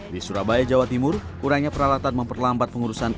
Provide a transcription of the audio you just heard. di surabaya jawa timur kurangnya peralatan memperlambat pengurusan